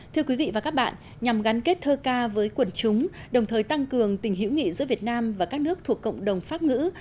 thưa quý vị và các bạn nhằm gắn kết thơ ca với quần chúng đồng thời tăng cường tình hiểu nghị giữa việt nam và các nước thuộc cộng đồng pháp ngữ